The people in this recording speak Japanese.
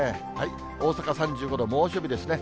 大阪３５度、猛暑日ですね。